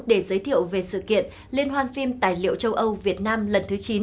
để giới thiệu về sự kiện liên hoan phim tài liệu châu âu việt nam lần thứ chín